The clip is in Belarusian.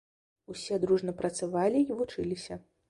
Усе дружна працавалі і вучыліся.